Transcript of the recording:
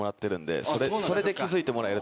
それで気付いてもらえる。